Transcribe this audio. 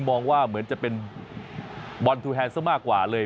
มองว่าเหมือนจะเป็นบอลทูแฮนด์ซะมากกว่าเลย